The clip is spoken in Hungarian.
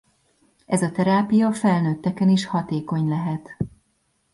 Ez a terápia felnőtteken is hatékony lehet.